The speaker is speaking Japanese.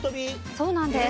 そうなんです。